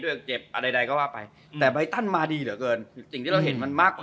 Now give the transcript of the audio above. ด้วยเกิดเจ็ปอะไรใดก็ว่าไปแต่ไบตันมาดีเหรอเกินสิ่งที่เราเห็นมันมากเกิน